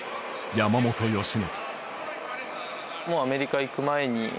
山本由伸。